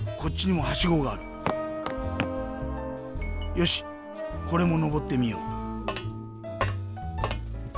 よしこれものぼってみよう。